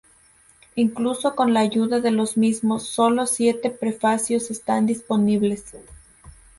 Incluso con la ayuda de los mismos, sólo siete prefacios están disponibles.